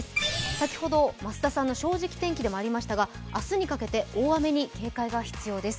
先ほど増田さんの「正直天気」でもありましたが明日にかけて大雨に警戒が必要です。